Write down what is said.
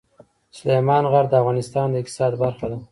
سلیمان غر د افغانستان د اقتصاد برخه ده.